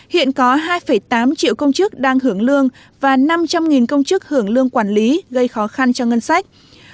hiện có hai tám triệu công chức đang hưởng lương và năm trăm linh công chức hưởng lương quản lý gây khó khăn cho ngân sách